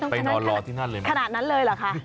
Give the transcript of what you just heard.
นอนรอที่นั่นเลยไหมขนาดนั้นเลยเหรอคะ